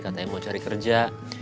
katanya mau cari kerja